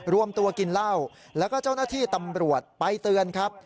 รวมตัวกินเหล้าแล้วก็เจ้าหน้าที่ตำรวจไปเตือนครับ